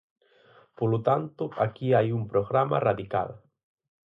Polo tanto, aquí hai un programa radical.